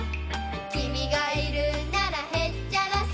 「君がいるならへっちゃらさ」